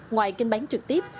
ngoài kinh bán trực tiếp